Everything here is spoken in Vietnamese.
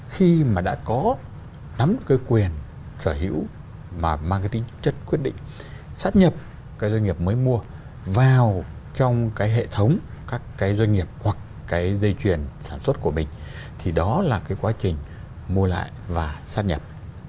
khi mà đã có nắm cái quyền sở hữu mà mang cái tính chất quyết định sát nhập cái doanh nghiệp mới mua vào trong cái hệ thống các cái doanh nghiệp hoặc cái dây chuyển sản xuất của mình thì đó là cái quá trình mua lại và sát nhập